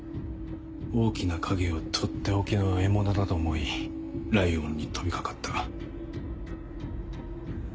大きな影をとっておきの獲物だと思いライオンに飛び掛かった。